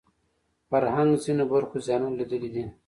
فرهنګ ځینو برخو زیانونه لیدلي دي